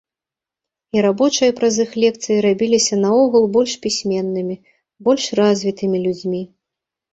І рабочыя праз іх лекцыі рабіліся наогул больш пісьменнымі, больш развітымі людзьмі.